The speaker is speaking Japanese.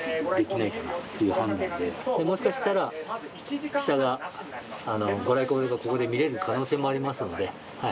もしかしたら下が御来光がここで見れる可能性もありますのではい。